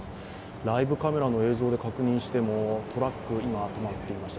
ライブカメラの映像で確認してもトラック、今、とまっていました。